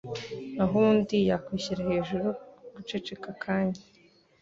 naho ubundi yakwishyira hejuru guceceka akanya